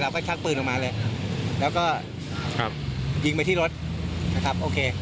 ก็ชักปืนออกมาเลยแล้วก็ครับยิงไปที่รถนะครับโอเค